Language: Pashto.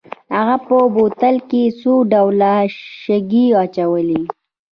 هغه په بوتل کې څو ډوله شګې اچولې.